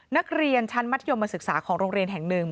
นักเรียนชั้นมัธยมศึกษาของโรงเรียนแห่งหนึ่ง